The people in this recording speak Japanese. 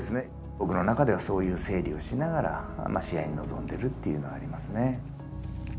僕の中ではそういう整理をしながら試合に臨んでるというのはありますね。